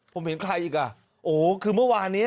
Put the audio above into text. ผมเห็นใครอีกอ่ะโอ้โหคือเมื่อวานนี้